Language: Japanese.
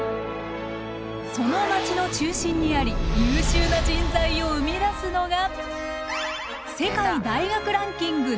その街の中心にあり優秀な人材を生み出すのが。